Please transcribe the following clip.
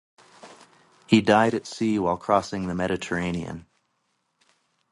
He died at sea while crossing the Mediterranean.